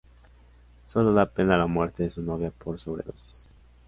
Sólo da pena la muerte de su novia por sobredosis.